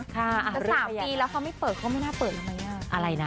แต่๓ปีแล้วเขาไม่เปิดเขาไม่น่าเปิดแล้วไหมอะไรนะ